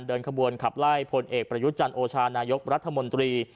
เดินขบวนขับไล่พลเอกประยุทธ์จันทร์โอชานายกรัฐมนตรี